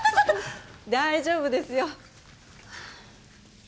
大丈夫ですよ。